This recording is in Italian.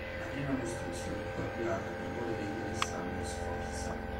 La prima costruzione fu avviata per volere di Alessandro Sforza.